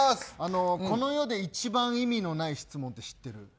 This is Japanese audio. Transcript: あの、この世で一番意味のない質問って何か知ってる？